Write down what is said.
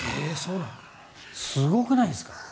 すごくないですか？